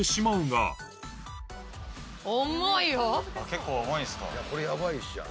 結構重いんすか？